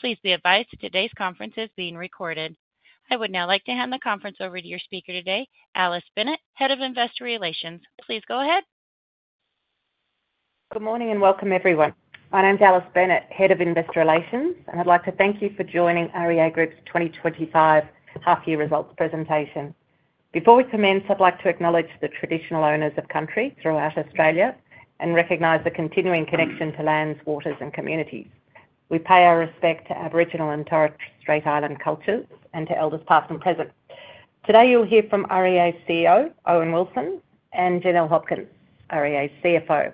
Please be advised today's conference is being recorded. I would now like to hand the conference over to your speaker today, Alice Bennett, Head of Investor Relations. Please go ahead. Good morning and welcome, everyone. My name's Alice Bennett, Head of Investor Relations, and I'd like to thank you for joining our REA Group's 2025 half-year results presentation. Before we commence, I'd like to acknowledge the traditional owners of country throughout Australia and recognize the continuing connection to lands, waters, and communities. We pay our respect to Aboriginal and Torres Strait Islander cultures and to elders past and present. Today you'll hear from REA's CEO, Owen Wilson, and Janelle Hopkins, REA's CFO.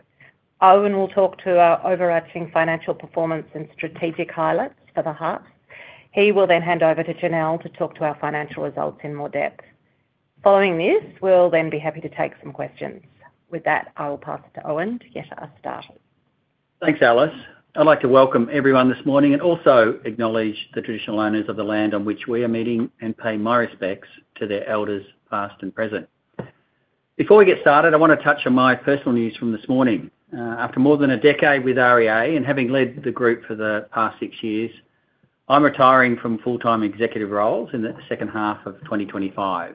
Owen will talk to our overarching financial performance and strategic highlights for the hub. He will then hand over to Janelle to talk to our financial results in more depth. Following this, we'll then be happy to take some questions. With that, I will pass it to Owen to get us started. Thanks, Alice. I'd like to welcome everyone this morning and also acknowledge the traditional owners of the land on which we are meeting and pay my respects to their elders past and present. Before we get started, I want to touch on my personal news from this morning. After more than a decade with REA and having led the group for the past six years, I'm retiring from full-time executive roles in the second half of 2025.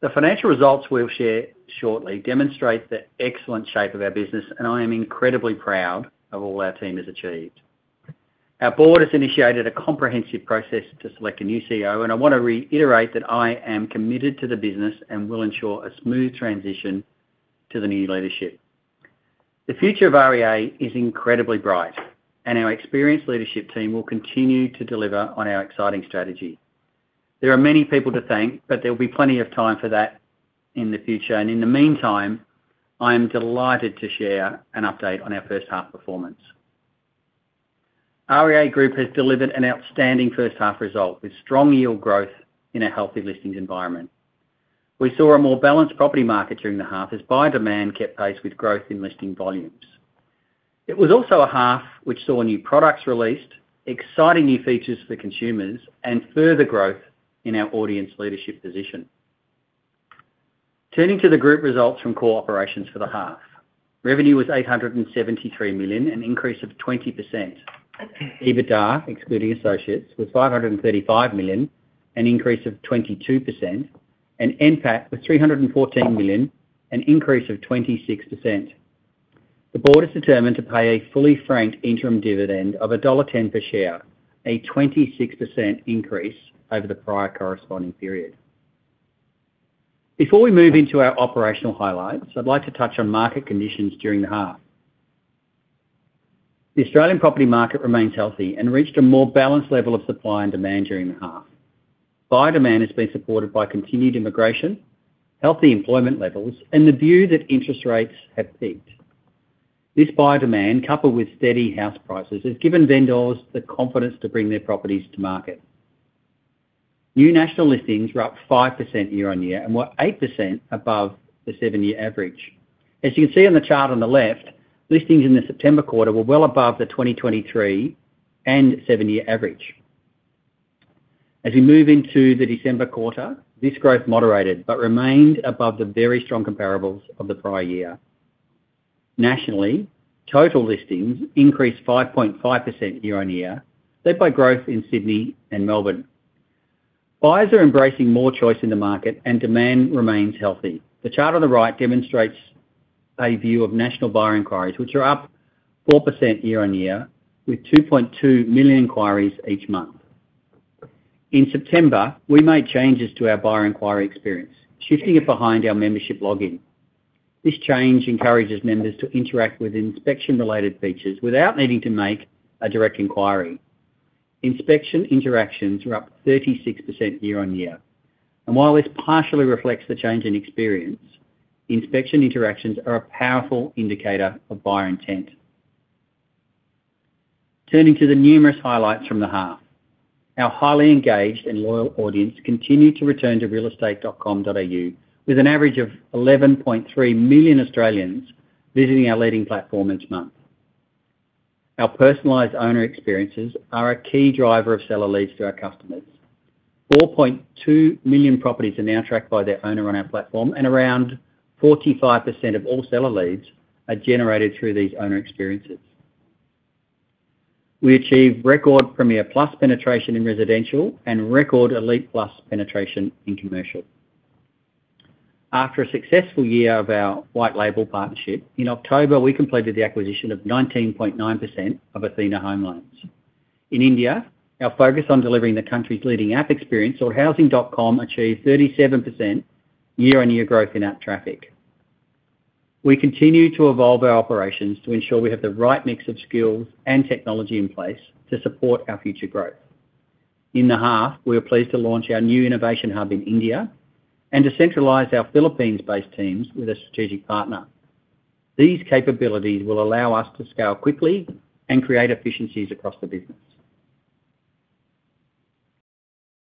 The financial results we'll share shortly demonstrate the excellent shape of our business, and I am incredibly proud of all our team has achieved. Our board has initiated a comprehensive process to select a new CEO, and I want to reiterate that I am committed to the business and will ensure a smooth transition to the new leadership. The future of REA is incredibly bright, and our experienced leadership team will continue to deliver on our exciting strategy. There are many people to thank, but there will be plenty of time for that in the future. And in the meantime, I am delighted to share an update on our first half performance. REA Group has delivered an outstanding first half result with strong yield growth in a healthy listings environment. We saw a more balanced property market during the half as buyer demand kept pace with growth in listing volumes. It was also a half which saw new products released, exciting new features for consumers, and further growth in our audience leadership position. Turning to the group results from core operations for the half, revenue was 873 million, an increase of 20%. EBITDA, excluding associates, was 535 million, an increase of 22%, and NPAT was 314 million, an increase of 26%. The board has determined to pay a fully franked interim dividend of dollar 1.10 per share, a 26% increase over the prior corresponding period. Before we move into our operational highlights, I'd like to touch on market conditions during the half. The Australian property market remains healthy and reached a more balanced level of supply and demand during the half. Buyer demand has been supported by continued immigration, healthy employment levels, and the view that interest rates have peaked. This buyer demand, coupled with steady house prices, has given vendors the confidence to bring their properties to market. New national listings were up 5% year on year and were 8% above the seven-year average. As you can see on the chart on the left, listings in the September quarter were well above the 2023 and seven-year average. As we move into the December quarter, this growth moderated but remained above the very strong comparables of the prior year. Nationally, total listings increased 5.5% year on year, led by growth in Sydney and Melbourne. Buyers are embracing more choice in the market, and demand remains healthy. The chart on the right demonstrates a view of national buyer inquiries, which are up 4% year on year, with 2.2 million inquiries each month. In September, we made changes to our buyer inquiry experience, shifting it behind our membership login. This change encourages members to interact with inspection-related features without needing to make a direct inquiry. Inspection interactions were up 36% year on year. While this partially reflects the change in experience, inspection interactions are a powerful indicator of buyer intent. Turning to the numerous highlights from the half, our highly engaged and loyal audience continued to return to realestate.com.au with an average of 11.3 million Australians visiting our leading platform each month. Our personalized owner experiences are a key driver of seller leads to our customers. 4.2 million properties are now tracked by their owner on our platform, and around 45% of all seller leads are generated through these owner experiences. We achieved record Premiere Plus penetration in residential and record Elite Plus penetration in commercial. After a successful year of our white label partnership, in October, we completed the acquisition of 19.9% of Athena Home Loans. In India, our focus on delivering the country's leading app experience for Housing.com, achieved 37% year-on-year growth in app traffic. We continue to evolve our operations to ensure we have the right mix of skills and technology in place to support our future growth. In the half, we are pleased to launch our new innovation hub in India and to centralize our Philippines-based teams with a strategic partner. These capabilities will allow us to scale quickly and create efficiencies across the business.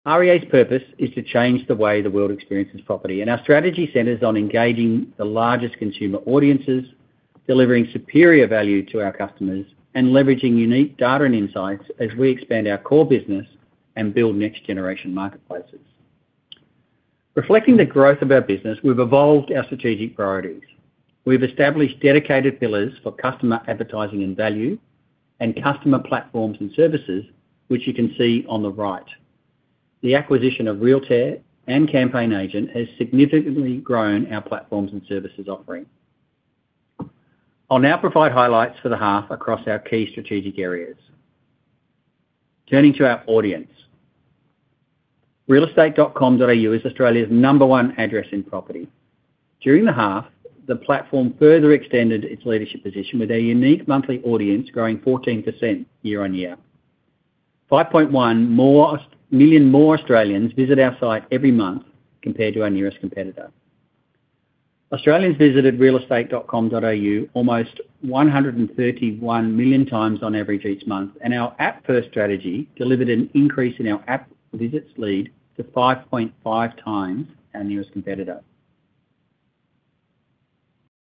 REA's purpose is to change the way the world experiences property, and our strategy centers on engaging the largest consumer audiences, delivering superior value to our customers, and leveraging unique data and insights as we expand our core business and build next-generation marketplaces. Reflecting the growth of our business, we've evolved our strategic priorities. We've established dedicated pillars for customer advertising and value and customer platforms and services, which you can see on the right. The acquisition of Realtair and CampaignAgent has significantly grown our platforms and services offering. I'll now provide highlights for the half across our key strategic areas. Turning to our audience, realestate.com.au is Australia's number one address in property. During the half, the platform further extended its leadership position with a unique monthly audience growing 14% year on year. 5.1 million more Australians visit our site every month compared to our nearest competitor. Australians visited realestate.com.au almost 131 million times on average each month, and our app-first strategy delivered an increase in our app visits lead to 5.5 times our nearest competitor.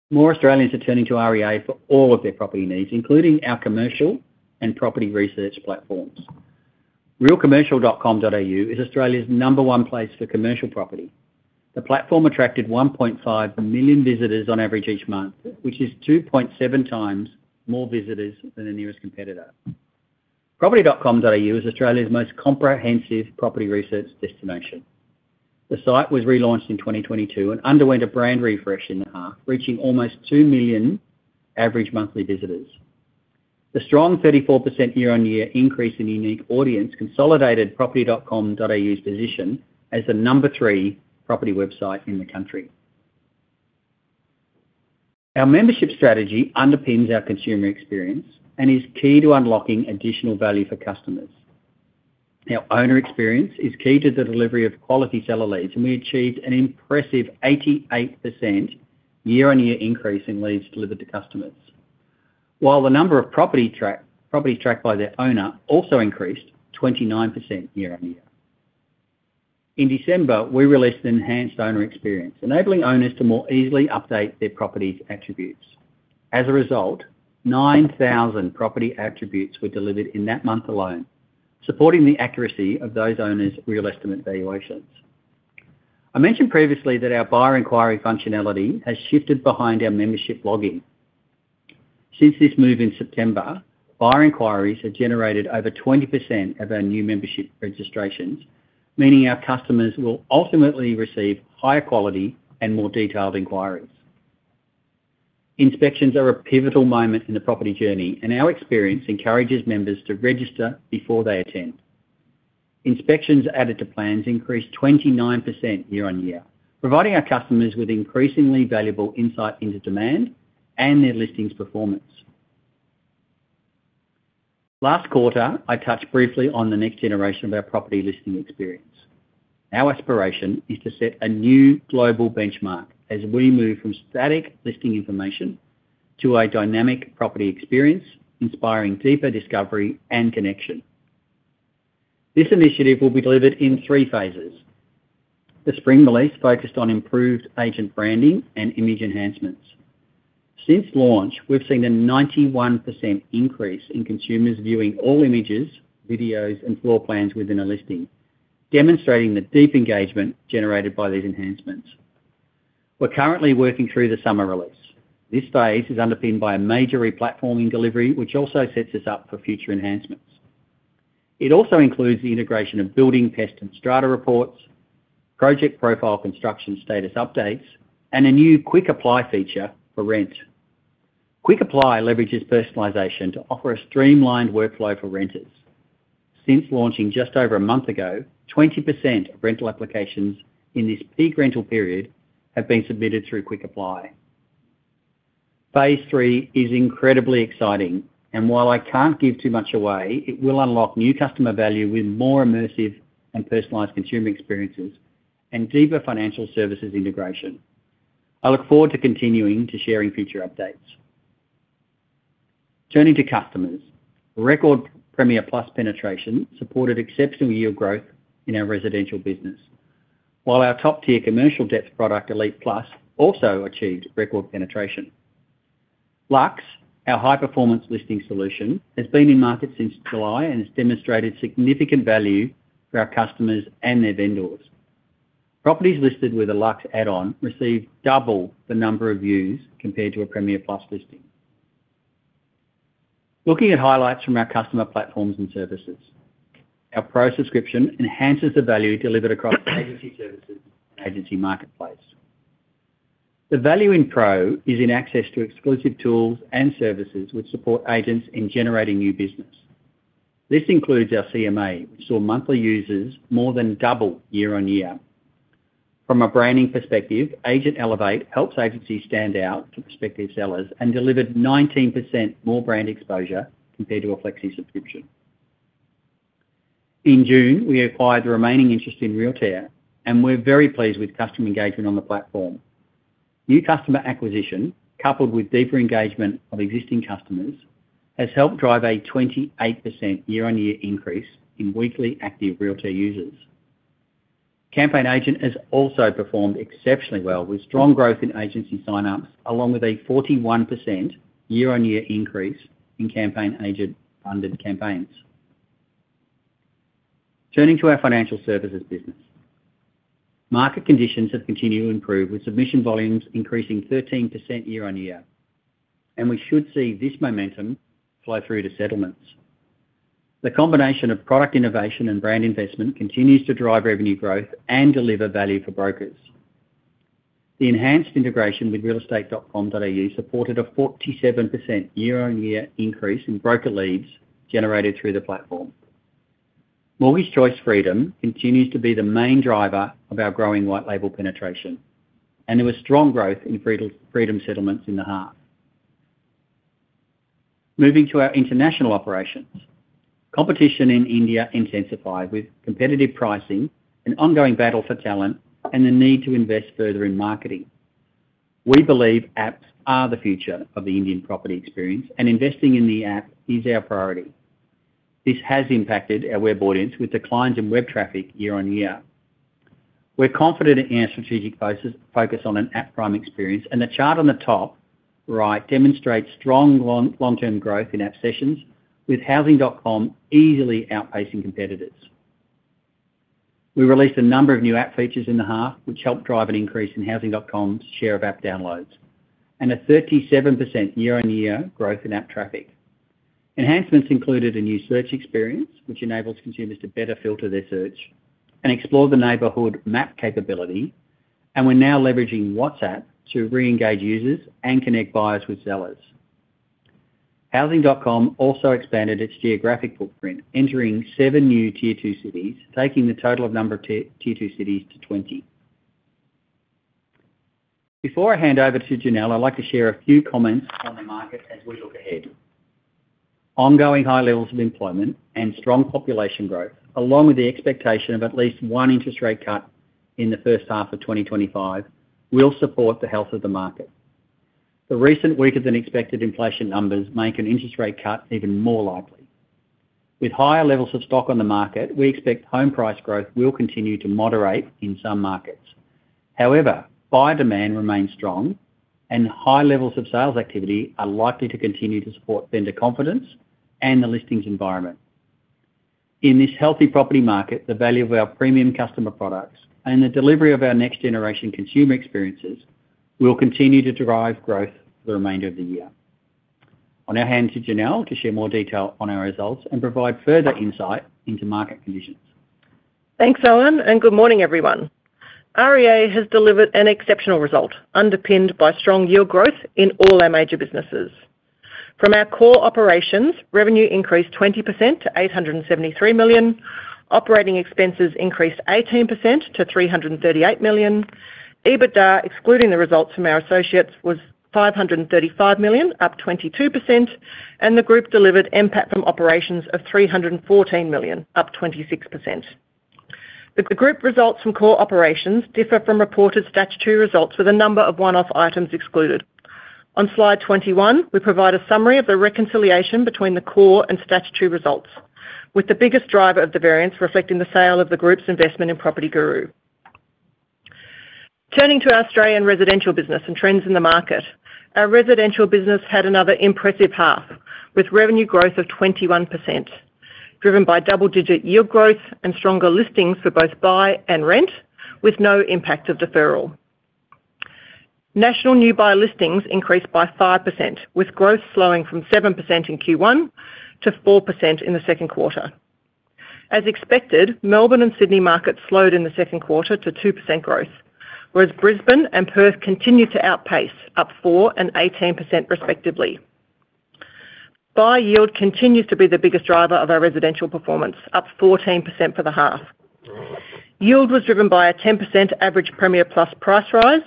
More Australians are turning to REA for all of their property needs, including our commercial and property research platforms. realcommercial.com.au is Australia's number one place for commercial property. The platform attracted 1.5 million visitors on average each month, which is 2.7 times more visitors than the nearest competitor. property.com.au is Australia's most comprehensive property research destination. The site was relaunched in 2022 and underwent a brand refresh in the half, reaching almost two million average monthly visitors. The strong 34% year-on-year increase in unique audience consolidated property.com.au's position as the number three property website in the country. Our membership strategy underpins our consumer experience and is key to unlocking additional value for customers. Our owner experience is key to the delivery of quality seller leads, and we achieved an impressive 88% year-on-year increase in leads delivered to customers, while the number of properties tracked by their owner also increased 29% year-on-year. In December, we released an enhanced owner experience, enabling owners to more easily update their property's attributes. As a result, 9,000 property attributes were delivered in that month alone, supporting the accuracy of those owners' RealEstimate valuations. I mentioned previously that our buyer inquiry functionality has shifted behind our membership login. Since this move in September, buyer inquiries have generated over 20% of our new membership registrations, meaning our customers will ultimately receive higher quality and more detailed inquiries. Inspections are a pivotal moment in the property journey, and our experience encourages members to register before they attend. Inspections added to plans increased 29% year-on-year, providing our customers with increasingly valuable insight into demand and their listings' performance. Last quarter, I touched briefly on the next generation of our property listing experience. Our aspiration is to set a new global benchmark as we move from static listing information to a dynamic property experience, inspiring deeper discovery and connection. This initiative will be delivered in three phases. The spring release focused on improved agent branding and image enhancements. Since launch, we've seen a 91% increase in consumers viewing all images, videos, and floor plans within a listing, demonstrating the deep engagement generated by these enhancements. We're currently working through the summer release. This phase is underpinned by a major replatforming delivery, which also sets us up for future enhancements. It also includes the integration of building pest and strata reports, Project Profile construction status updates, and a new Quick Apply feature for rent. Quick Apply leverages personalization to offer a streamlined workflow for renters. Since launching just over a month ago, 20% of rental applications in this peak rental period have been submitted through Quick Apply. Phase three is incredibly exciting, and while I can't give too much away, it will unlock new customer value with more immersive and personalized consumer experiences and deeper financial services integration. I look forward to continuing to sharing future updates. Turning to customers, record Premiere Plus penetration supported exceptional yield growth in our residential business, while our top-tier commercial-depth product, Elite Plus, also achieved record penetration. Luxe, our high-performance listing solution, has been in market since July and has demonstrated significant value for our customers and their vendors. Properties listed with a Luxe add-on received double the number of views compared to a Premiere Plus listing. Looking at highlights from our customer platforms and services, our Pro subscription enhances the value delivered across agency services and Agency Marketplace. The value in Pro is in access to exclusive tools and services which support agents in generating new business. This includes our CMA, which saw monthly users more than double year-on-year. From a branding perspective, Agency Elevate helps agencies stand out to prospective sellers and delivered 19% more brand exposure compared to a Flexi subscription. In June, we acquired the remaining interest in Realtair, and we're very pleased with customer engagement on the platform. New customer acquisition, coupled with deeper engagement of existing customers, has helped drive a 28% year-on-year increase in weekly active Realtair users. CampaignAgent has also performed exceptionally well with strong growth in agency sign-ups, along with a 41% year-on-year increase in CampaignAgent funded campaigns. Turning to our financial services business, market conditions have continued to improve, with submission volumes increasing 13% year-on-year, and we should see this momentum flow through to settlements. The combination of product innovation and brand investment continues to drive revenue growth and deliver value for brokers. The enhanced integration with realestate.com.au supported a 47% year-on-year increase in broker leads generated through the platform. Mortgage Choice Freedom continues to be the main driver of our growing white label penetration, and there was strong growth in Freedom settlements in the half. Moving to our international operations, competition in India intensified with competitive pricing, an ongoing battle for talent, and the need to invest further in marketing. We believe apps are the future of the Indian property experience, and investing in the app is our priority. This has impacted our web audience with declines in web traffic year-on-year. We're confident in our strategic focus on an app-prime experience, and the chart on the top right demonstrates strong long-term growth in app sessions, with Housing.com easily outpacing competitors. We released a number of new app features in the half, which helped drive an increase in Housing.com's share of app downloads and a 37% year-on-year growth in app traffic. Enhancements included a new search experience, which enables consumers to better filter their search and explore the neighborhood map capability, and we're now leveraging WhatsApp to re-engage users and connect buyers with sellers. Housing.com also expanded its geographic footprint, entering seven new tier two cities, taking the total number of tier two cities to 20. Before I hand over to Janelle, I'd like to share a few comments on the market as we look ahead. Ongoing high levels of employment and strong population growth, along with the expectation of at least one interest rate cut in the first half of 2025, will support the health of the market. The recent weaker-than-expected inflation numbers make an interest rate cut even more likely. With higher levels of stock on the market, we expect home price growth will continue to moderate in some markets. However, buyer demand remains strong, and high levels of sales activity are likely to continue to support vendor confidence and the listings environment. In this healthy property market, the value of our premium customer products and the delivery of our next-generation consumer experiences will continue to drive growth for the remainder of the year. I'll now hand to Janelle to share more detail on our results and provide further insight into market conditions. Thanks, Owen, and good morning, everyone. REA has delivered an exceptional result, underpinned by strong yield growth in all our major businesses. From our core operations, revenue increased 20% to 873 million. Operating expenses increased 18% to 338 million. EBITDA, excluding the results from our associates, was 535 million, up 22%, and the group delivered NPAT from operations of 314 million, up 26%. The group results from core operations differ from reported statutory results, with a number of one-off items excluded. On slide 21, we provide a summary of the reconciliation between the core and statutory results, with the biggest driver of the variance reflecting the sale of the group's investment in PropertyGuru. Turning to our Australian residential business and trends in the market, our residential business had another impressive half with revenue growth of 21%, driven by double-digit yield growth and stronger listings for both buy and rent, with no impact of deferral. National new buy listings increased by 5%, with growth slowing from 7% in Q1 to 4% in the second quarter. As expected, Melbourne and Sydney markets slowed in the second quarter to 2% growth, whereas Brisbane and Perth continued to outpace, up 4% and 18% respectively. Buyer yield continues to be the biggest driver of our residential performance, up 14% for the half. Yield was driven by a 10% average Premiere Plus price rise,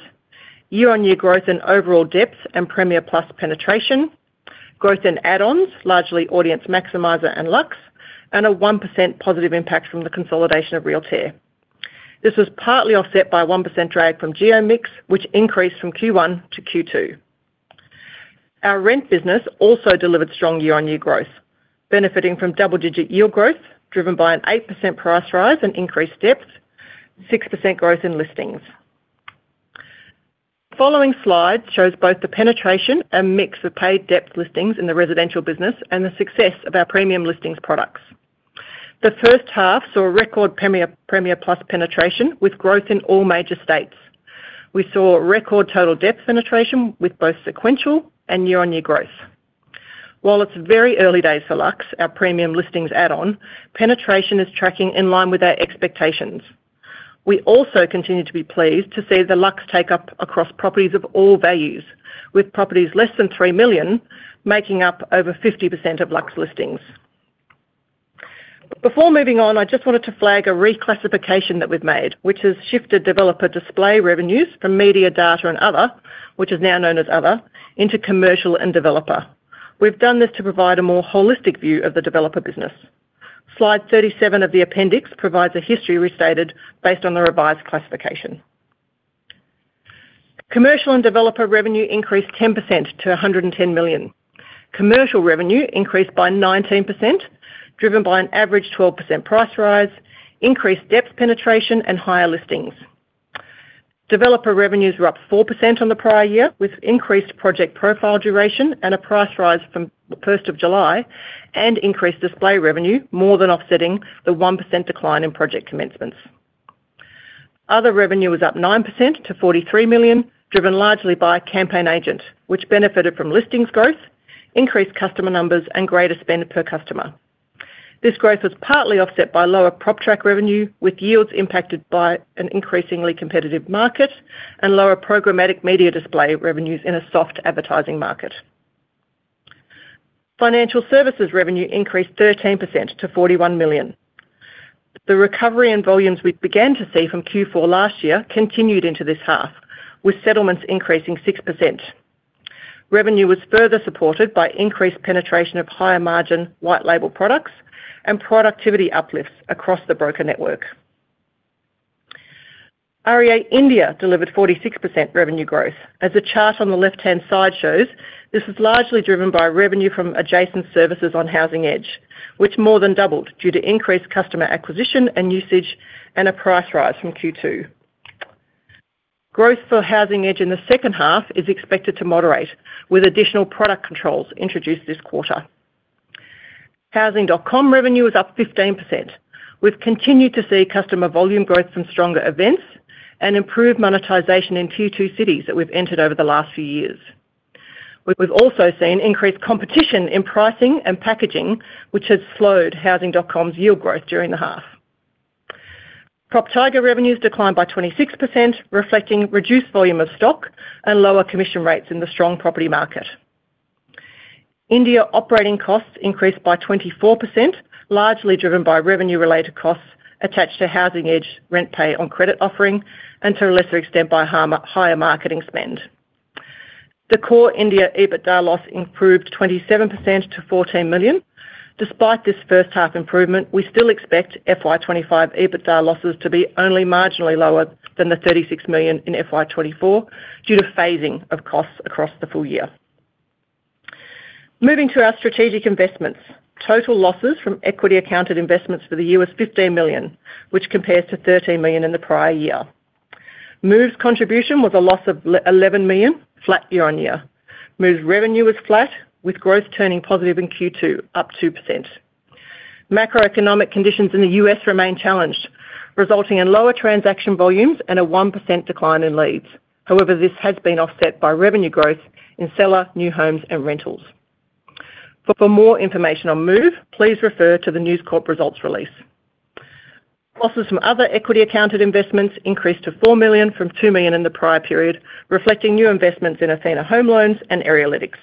year-on-year growth in overall depth and Premiere Plus penetration, growth in add-ons, largely Audience Maximizer and Luxe, and a 1% positive impact from the consolidation of Realtair. This was partly offset by a 1% drag from geo mix, which increased from Q1 to Q2. Our rent business also delivered strong year-on-year growth, benefiting from double-digit yield growth driven by an 8% price rise and increased depth, 6% growth in listings. The following slide shows both the penetration and mix of paid depth listings in the residential business and the success of our premium listings products. The first half saw record Premiere Plus penetration, with growth in all major states. We saw record total depth penetration, with both sequential and year-on-year growth. While it's very early days for Luxe, our premium listings add-on, penetration is tracking in line with our expectations. We also continue to be pleased to see the Luxe take-up across properties of all values, with properties less than 3 million making up over 50% of Luxe listings. Before moving on, I just wanted to flag a reclassification that we've made, which has shifted developer display revenues from media, data, and other, which is now known as other, into commercial and developer. We've done this to provide a more holistic view of the developer business. Slide 37 of the appendix provides a restated history based on the revised classification. Commercial and developer revenue increased 10% to 110 million. Commercial revenue increased by 19%, driven by an average 12% price rise, increased depth penetration, and higher listings. Developer revenues were up 4% on the prior year, with increased Project Profile duration and a price rise from the 1st of July and increased display revenue more than offsetting the 1% decline in project commencements. Other revenue was up 9% to 43 million, driven largely by CampaignAgent, which benefited from listings growth, increased customer numbers, and greater spend per customer. This growth was partly offset by lower PropTrack revenue, with yields impacted by an increasingly competitive market and lower programmatic media display revenues in a soft advertising market. Financial services revenue increased 13% to 41 million. The recovery in volumes we began to see from Q4 last year continued into this half, with settlements increasing 6%. Revenue was further supported by increased penetration of higher margin white label products and productivity uplifts across the broker network. REA India delivered 46% revenue growth. As the chart on the left-hand side shows, this was largely driven by revenue from adjacent services on Housing Edge, which more than doubled due to increased customer acquisition and usage and a price rise from Q2. Growth for Housing Edge in the second half is expected to moderate, with additional product controls introduced this quarter. Housing.com revenue was up 15%. We've continued to see customer volume growth from stronger events and improved monetization in Tier 2 cities that we've entered over the last few years. We've also seen increased competition in pricing and packaging, which has slowed Housing.com's yield growth during the half. PropTiger revenues declined by 26%, reflecting reduced volume of stock and lower commission rates in the strong property market. India operating costs increased by 24%, largely driven by revenue-related costs attached to Housing Edge RentPay on credit offering and, to a lesser extent, by higher marketing spend. The core India EBITDA loss improved 27% to 14 million. Despite this first half improvement, we still expect FY25 EBITDA losses to be only marginally lower than the 36 million in FY24 due to phasing of costs across the full year. Moving to our strategic investments, total losses from equity-accounted investments for the year was 15 million, which compares to 13 million in the prior year. Move's contribution was a loss of 11 million, flat year-on-year. Move's revenue was flat, with growth turning positive in Q2, up 2%. Macroeconomic conditions in the U.S. remain challenged, resulting in lower transaction volumes and a 1% decline in leads. However, this has been offset by revenue growth in seller, new homes, and rentals. For more information on Move, please refer to the News Corp results release. Losses from other equity-accounted investments increased to 4 million from 2 million in the prior period, reflecting new investments in Athena Home Loans and Arealytics.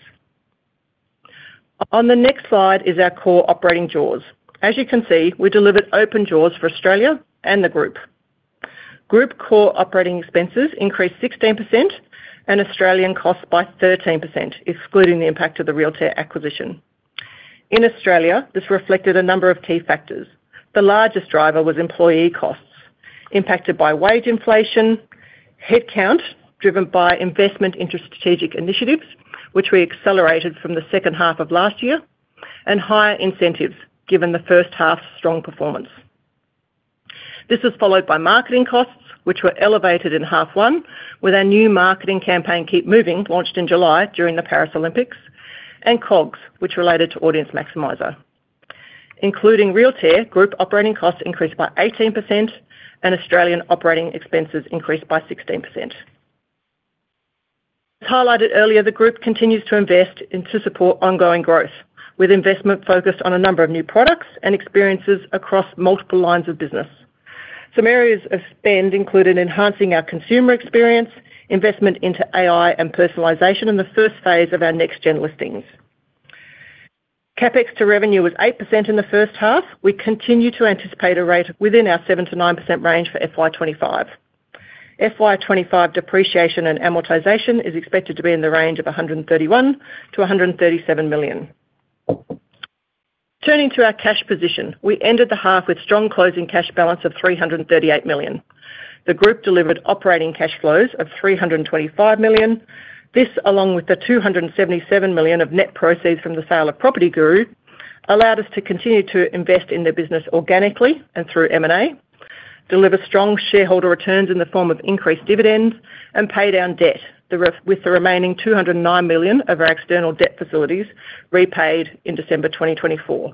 On the next slide is our core operating jaws. As you can see, we delivered positive jaws for Australia and the group. Group core operating expenses increased 16% and Australian costs by 13%, excluding the impact of the Realtair acquisition. In Australia, this reflected a number of key factors. The largest driver was employee costs, impacted by wage inflation, headcount driven by investment into strategic initiatives, which we accelerated from the second half of last year, and higher incentives given the first half's strong performance. This was followed by marketing costs, which were elevated in half one, with our new marketing campaign, Keep Moving, launched in July during the Paris Olympics, and COGS, which related to Audience Maximizer. Including Realtair, group operating costs increased by 18% and Australian operating expenses increased by 16%. As highlighted earlier, the group continues to invest to support ongoing growth, with investment focused on a number of new products and experiences across multiple lines of business. Some areas of spend included enhancing our consumer experience, investment into AI and personalization in the first phase of our next-gen listings. CapEx to revenue was 8% in the first half. We continue to anticipate a rate within our 7%-9% range for FY25. FY25 depreciation and amortization is expected to be in the range of 131-137 million. Turning to our cash position, we ended the half with strong closing cash balance of 338 million. The group delivered operating cash flows of 325 million. This, along with the 277 million of net proceeds from the sale of PropertyGuru, allowed us to continue to invest in the business organically and through M&A, deliver strong shareholder returns in the form of increased dividends, and pay down debt, with the remaining 209 million of our external debt facilities repaid in December 2024.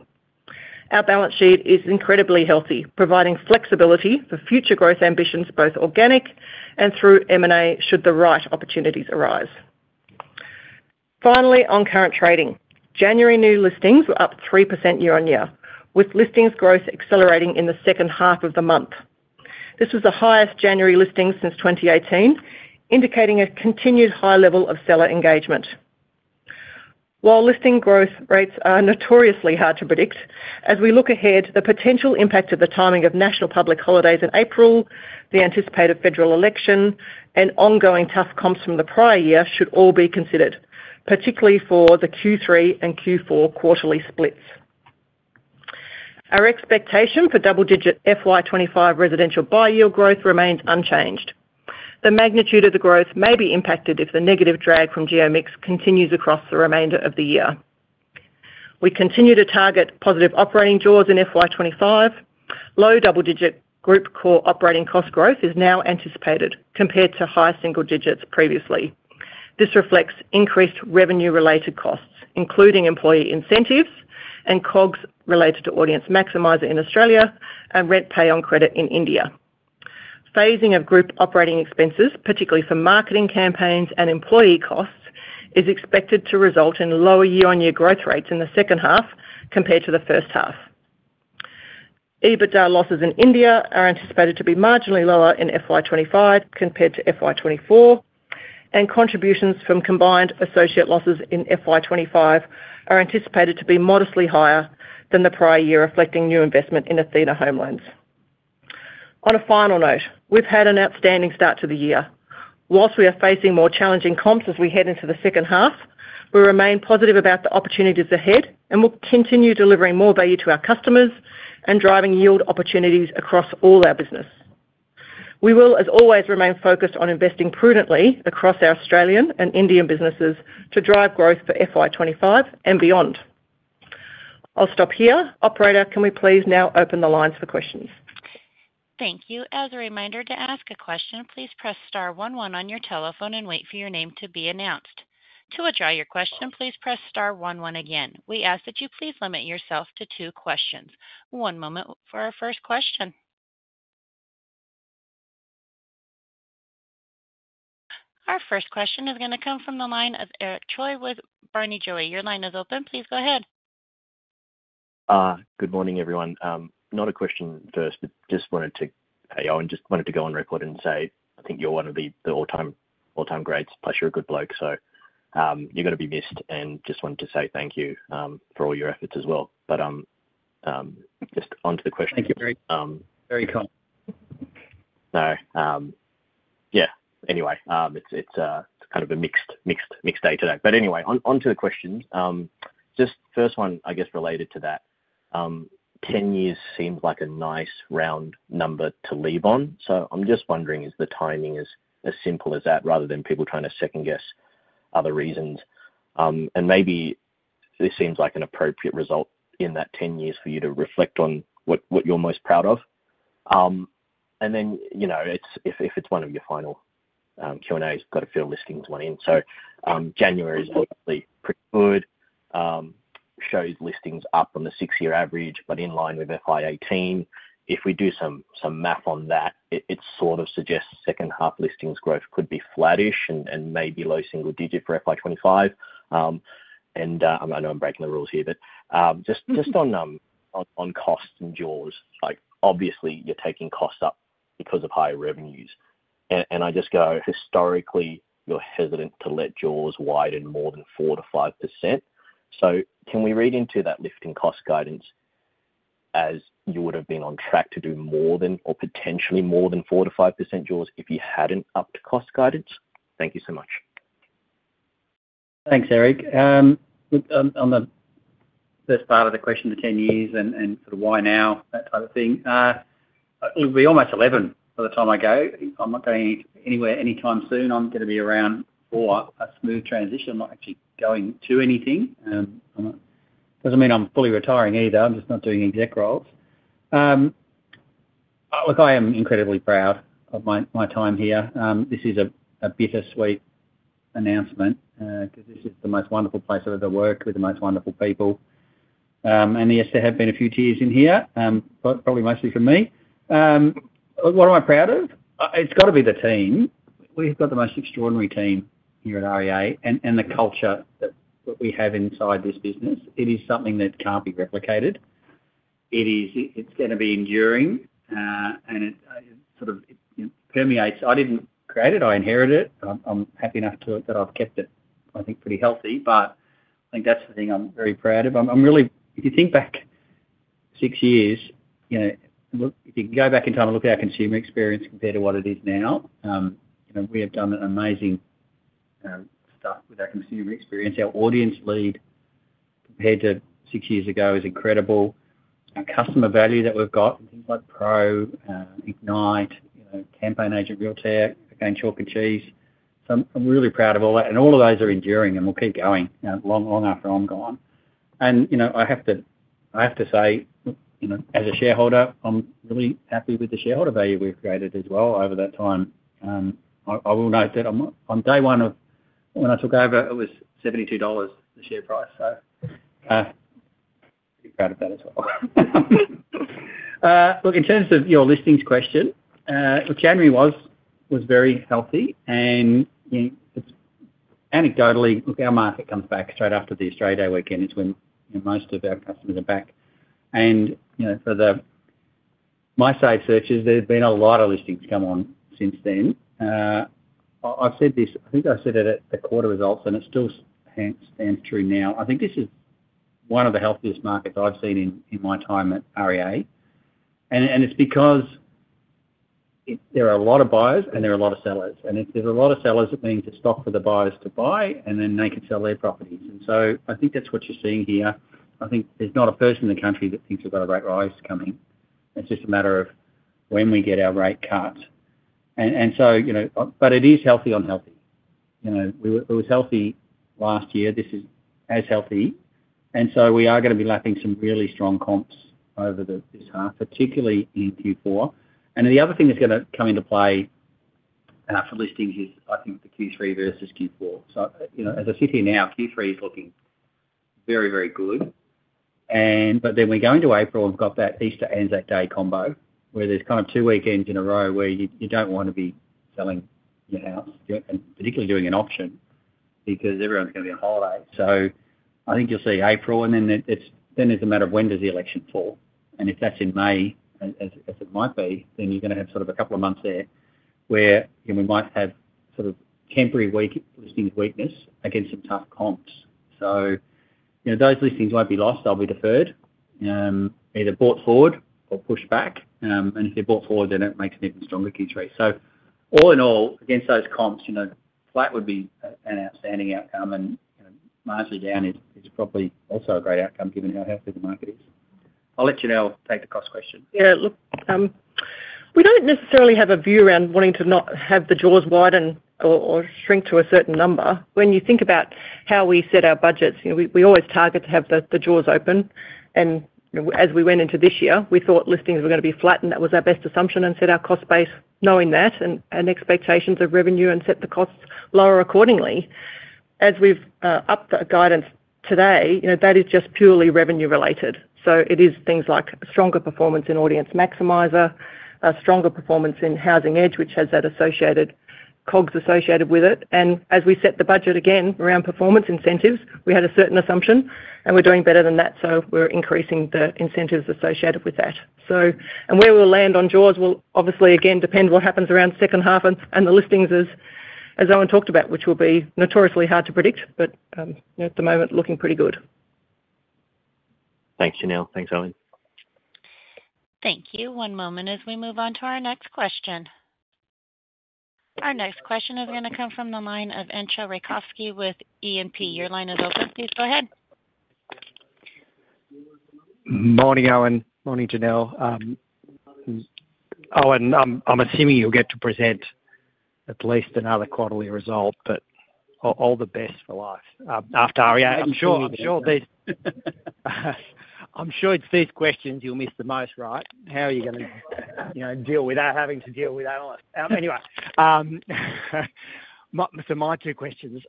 Our balance sheet is incredibly healthy, providing flexibility for future growth ambitions, both organic and through M&A, should the right opportunities arise. Finally, on current trading, January new listings were up 3% year-on-year, with listings growth accelerating in the second half of the month. This was the highest January listing since 2018, indicating a continued high level of seller engagement. While listing growth rates are notoriously hard to predict, as we look ahead, the potential impact of the timing of national public holidays in April, the anticipated federal election, and ongoing tough comps from the prior year should all be considered, particularly for the Q3 and Q4 quarterly splits. Our expectation for double-digit FY25 residential buy yield growth remains unchanged. The magnitude of the growth may be impacted if the negative drag from geo mix continues across the remainder of the year. We continue to target positive operating jaws in FY25. Low double-digit group core operating cost growth is now anticipated, compared to high single digits previously. This reflects increased revenue-related costs, including employee incentives and COGS related to Audience Maximizer in Australia and RentPay on credit in India. Phasing of group operating expenses, particularly for marketing campaigns and employee costs, is expected to result in lower year-on-year growth rates in the second half compared to the first half. EBITDA losses in India are anticipated to be marginally lower in FY25 compared to FY24, and contributions from combined associate losses in FY25 are anticipated to be modestly higher than the prior year, reflecting new investment in Athena Home Loans. On a final note, we've had an outstanding start to the year. Whilst we are facing more challenging comps as we head into the second half, we remain positive about the opportunities ahead and will continue delivering more value to our customers and driving yield opportunities across all our business. We will, as always, remain focused on investing prudently across our Australian and Indian businesses to drive growth for FY25 and beyond. I'll stop here. Operator, can we please now open the lines for questions? Thank you. As a reminder, to ask a question, please press star 11 on your telephone and wait for your name to be announced. To withdraw your question, please press star 11 again. We ask that you please limit yourself to two questions. One moment for our first question. Our first question is going to come from the line of Eric Choi with Barrenjoey. Your line is open. Please go ahead. Good morning, everyone. Not a question first, but just wanted to go on record and say I think you're one of the all-time greats, plus you're a good bloke, so you're going to be missed. And just wanted to say thank you for all your efforts as well. But just onto the question. Thank you. Very calm. No. Yeah. Anyway, it's kind of a mixed day today. But anyway, onto the questions. Just first one, I guess, related to that. Ten years seems like a nice round number to leave on. So I'm just wondering, is the timing as simple as that, rather than people trying to second-guess other reasons? And maybe this seems like an appropriate result in that ten years for you to reflect on what you're most proud of. And then if it's one of your final Q&As, got a few listings went in. So January is obviously pretty good, shows listings up on the six-year average, but in line with FY 2018. If we do some math on that, it sort of suggests second half listings growth could be flattish and maybe low single digit for FY 2025. I know I'm breaking the rules here, but just on costs and jaws, obviously, you're taking costs up because of higher revenues. I just go, historically, you're hesitant to let jaws widen more than 4%-5%. Can we read into that lifting cost guidance as you would have been on track to do more than or potentially more than 4%-5% jaws if you hadn't upped cost guidance? Thank you so much. Thanks, Eric. On the first part of the question, the ten years and sort of why now, that type of thing, it'll be almost 11 by the time I go. I'm not going anywhere anytime soon. I'm going to be around for a smooth transition. I'm not actually going to anything. It doesn't mean I'm fully retiring either. I'm just not doing exec roles. Look, I am incredibly proud of my time here. This is a bittersweet announcement because this is the most wonderful place I've ever worked with the most wonderful people. And yes, there have been a few tears in here, probably mostly from me. What am I proud of? It's got to be the team. We've got the most extraordinary team here at REA and the culture that we have inside this business. It is something that can't be replicated. It's going to be enduring, and it sort of permeates. I didn't create it. I inherited it. I'm happy enough that I've kept it, I think, pretty healthy. But I think that's the thing I'm very proud of. If you think back six years, if you can go back in time and look at our consumer experience compared to what it is now, we have done amazing stuff with our consumer experience. Our audience lead compared to six years ago is incredible. Our customer value that we've got in things like Pro, Ignite, CampaignAgent, Realtair. Again, chalk and cheese. I'm really proud of all that. And all of those are enduring, and we'll keep going long after I'm gone. And I have to say, as a shareholder, I'm really happy with the shareholder value we've created as well over that time. I will note that on day one of when I took over, it was 72 dollars the share price. So I'm pretty proud of that as well. Look, in terms of your listings question, January was very healthy. And anecdotally, look, our market comes back straight after the Australia Day weekend. It's when most of our customers are back. And for my saved searches, there's been a lot of listings come on since then. I've said this. I think I said it at the quarter results, and it still stands true now. I think this is one of the healthiest markets I've seen in my time at REA, and it's because there are a lot of buyers, and there are a lot of sellers, and if there's a lot of sellers, it means there's stock for the buyers to buy and then they can sell their properties, and so I think that's what you're seeing here. I think there's not a person in the country that thinks we've got a rate rise coming. It's just a matter of when we get our rate cut, and so, but it is healthy on healthy. It was healthy last year. This is as healthy, and so we are going to be lapping some really strong comps over this half, particularly in Q4. The other thing that's going to come into play for listings is, I think, the Q3 versus Q4. So as I sit here now, Q3 is looking very, very good. But then we go into April and we've got that Easter-Anzac Day combo, where there's kind of two weekends in a row where you don't want to be selling your house, particularly doing an auction, because everyone's going to be on holiday. So I think you'll see April, and then it's a matter of when does the election fall. And if that's in May, as it might be, then you're going to have sort of a couple of months there where we might have sort of temporary listings weakness against some tough comps. So those listings won't be lost. They'll be deferred, either brought forward or pushed back. And if they're brought forward, then it makes an even stronger Q3. So all in all, against those comps, flat would be an outstanding outcome. And marginally down is probably also a great outcome given how healthy the market is. I'll let you now take the cost question. Yeah. Look, we don't necessarily have a view around wanting to not have the jaws widen or shrink to a certain number. When you think about how we set our budgets, we always target to have the jaws open. And as we went into this year, we thought listings were going to be flat, and that was our best assumption and set our cost base knowing that and expectations of revenue and set the costs lower accordingly. As we've upped that guidance today, that is just purely revenue-related. So it is things like stronger performance in Audience Maximizer, stronger performance in Housing Edge, which has that associated COGS associated with it. As we set the budget again around performance incentives, we had a certain assumption, and we're doing better than that. So we're increasing the incentives associated with that. And where we'll land on jaws will obviously, again, depend on what happens around the second half and the listings, as Owen talked about, which will be notoriously hard to predict, but at the moment, looking pretty good. Thanks, Janelle. Thanks, Owen. Thank you. One moment as we move on to our next question. Our next question is going to come from the line of Entcho Raykovski with E&P. Your line is open. Please go ahead. Morning, Owen. Morning, Janelle. Owen, I'm assuming you'll get to present at least another quarterly result, but all the best for life. After REA, I'm sure it's these questions you'll miss the most, right? How are you going to deal with that, having to deal with analysts? Anyway, so my two questions.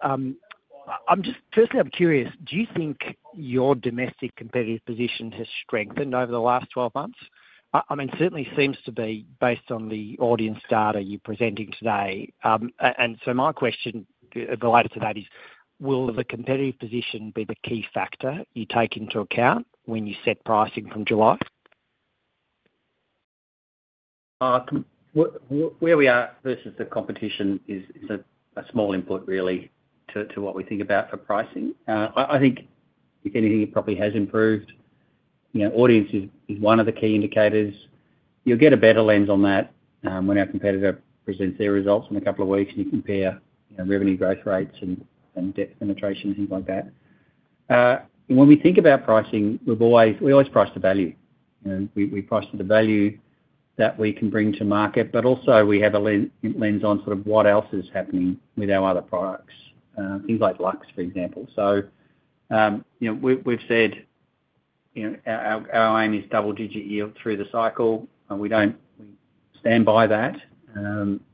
Firstly, I'm curious, do you think your domestic competitive position has strengthened over the last 12 months? I mean, certainly seems to be based on the audience data you're presenting today. And so my question related to that is, will the competitive position be the key factor you take into account when you set pricing from July? Where we are versus the competition is a small input, really, to what we think about for pricing. I think, if anything, it probably has improved. Audience is one of the key indicators. You'll get a better lens on that when our competitor presents their results in a couple of weeks, and you compare revenue growth rates and depth penetration, things like that. And when we think about pricing, we always price to value. We price to the value that we can bring to market, but also we have a lens on sort of what else is happening with our other products, things like Luxe, for example. So we've said our aim is double-digit yield through the cycle. We stand by that.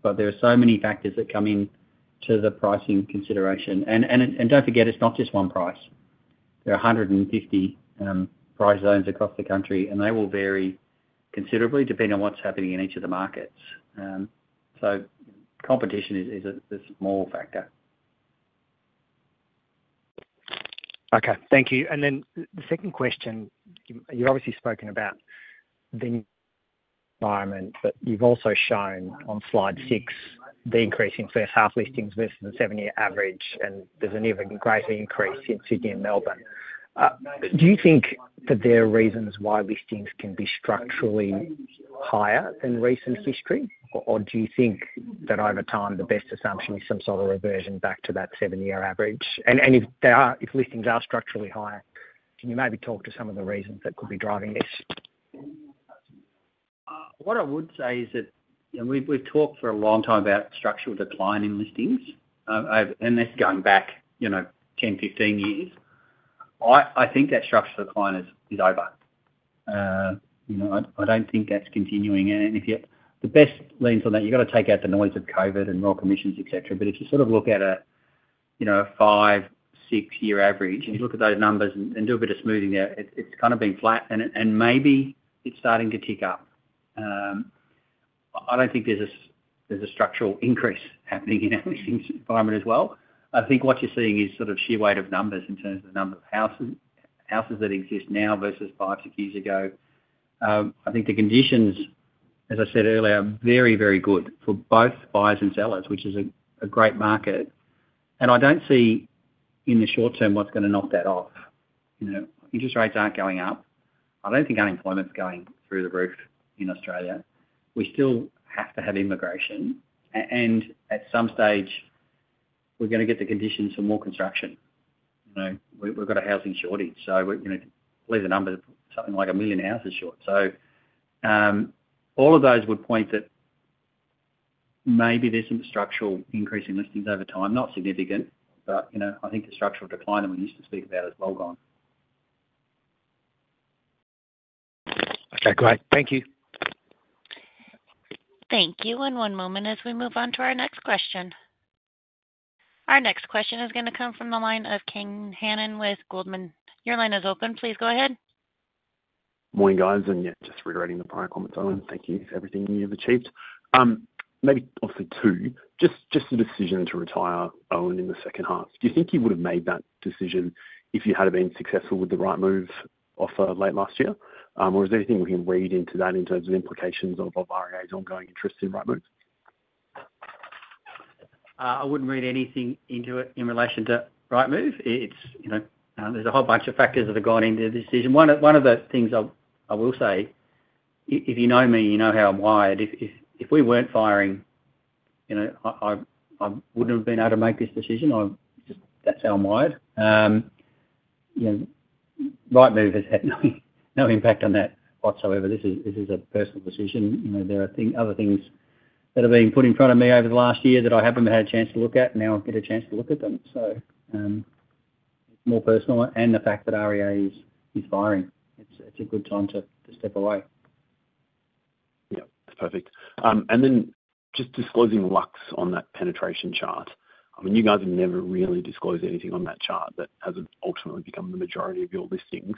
But there are so many factors that come into the pricing consideration. And don't forget, it's not just one price. There are 150 price zones across the country, and they will vary considerably depending on what's happening in each of the markets. So competition is a small factor. Okay. Thank you. And then the second question, you've obviously spoken about the environment, but you've also shown on slide six the increase in first half listings versus the seven-year average, and there's an even greater increase in Sydney and Melbourne. Do you think that there are reasons why listings can be structurally higher than recent history, or do you think that over time, the best assumption is some sort of reversion back to that seven-year average? And if listings are structurally higher, can you maybe talk to some of the reasons that could be driving this? What I would say is that we've talked for a long time about structural decline in listings, and that's going back 10, 15 years. I think that structural decline is over. I don't think that's continuing anything yet. The best lens on that, you've got to take out the noise of COVID and Royal Commissions, etc. But if you sort of look at a five, six-year average and you look at those numbers and do a bit of smoothing there, it's kind of been flat, and maybe it's starting to tick up. I don't think there's a structural increase happening in our listings environment as well. I think what you're seeing is sort of sheer weight of numbers in terms of the number of houses that exist now versus five, six years ago. I think the conditions, as I said earlier, are very, very good for both buyers and sellers, which is a great market, and I don't see in the short term what's going to knock that off. Interest rates aren't going up. I don't think unemployment's going through the roof in Australia. We still have to have immigration, and at some stage, we're going to get the conditions for more construction. We've got a Housing shortage, so believe the number, something like a million houses short. So all of those would point that maybe there's some structural increase in listings over time, not significant. But I think the structural decline that we used to speak about is well gone. Okay. Great. Thank you. Thank you. And one moment as we move on to our next question. Our next question is going to come from the line of Kane Hannan with Goldman. Your line is open. Please go ahead. Morning, guys. And yeah, just reiterating the prior comments, Owen. Thank you. Everything you've achieved. Maybe also too. Just the decision to retire, Owen, in the second half. Do you think you would have made that decision if you had been successful with the Rightmove offer late last year? Or is there anything we can read into that in terms of implications of REA's ongoing interest in Rightmove? I wouldn't read anything into it in relation to Rightmove. There's a whole bunch of factors that have gone into the decision. One of the things I will say, if you know me, you know how I'm wired. If we weren't firing, I wouldn't have been able to make this decision. That's how I'm wired. Rightmove has had no impact on that whatsoever. This is a personal decision. There are other things that have been put in front of me over the last year that I haven't had a chance to look at, and now I'll get a chance to look at them. So it's more personal and the fact that REA is firing. It's a good time to step away. Yeah. That's perfect. And then just disclosing Luxe on that penetration chart. I mean, you guys have never really disclosed anything on that chart that has ultimately become the majority of your listings.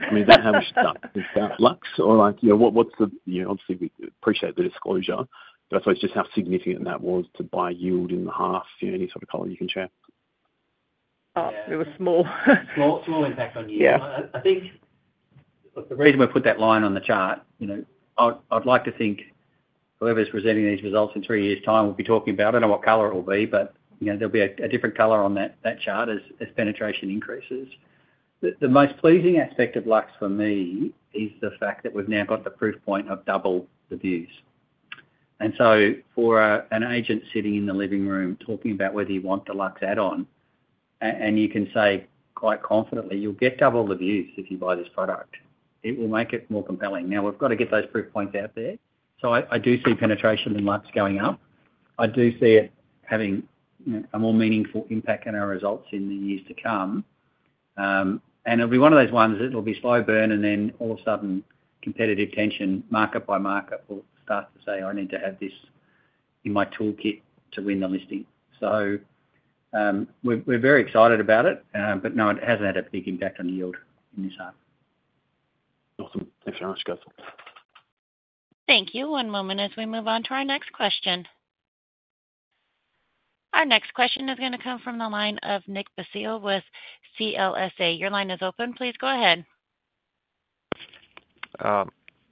I mean, is that how we should start? Is that Luxe? Or, what's the, obviously, we appreciate the disclosure, but I suppose just how significant that was to the yield in the half? Any sort of color you can share? It was small. Small impact on yield. I think the reason we put that line on the chart. I'd like to think whoever's presenting these results in three years' time will be talking about it and what color it will be, but there'll be a different color on that chart as penetration increases. The most pleasing aspect of Luxe for me is the fact that we've now got the proof point of double the views. And so for an agent sitting in the living room talking about whether you want the Luxe add-on, and you can say quite confidently, "You'll get double the views if you buy this product." It will make it more compelling. Now, we've got to get those proof points out there. So I do see penetration in Luxe going up. I do see it having a more meaningful impact in our results in the years to come. And it'll be one of those ones that will be slow burn, and then all of a sudden, competitive tension, market by market, will start to say, "I need to have this in my toolkit to win the listing." So we're very excited about it, but no, it hasn't had a big impact on yield in this half. Awesome. Thanks very much, guys. Thank you. One moment as we move on to our next question. Our next question is going to come from the line of Nick Basile with CLSA. Your line is open. Please go ahead.